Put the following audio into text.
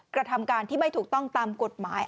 กระทำการที่ไม่ถูกต้องตามกฎหมาย